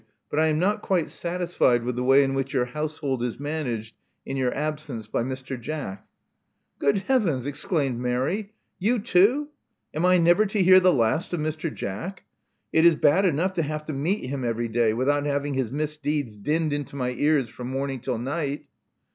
But I am not quite satisfied with the way in which your household is managed in your absence by Mr. Jack." Good heavens!" exclaimed Mary, you too! Am I never to hear the last of Mr. Jack? It is bad enough to have to meet him every day, without having his misdeeds dinned into my ears from morning till night.